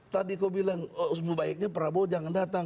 tadi kau bilang sebaiknya prabowo jangan datang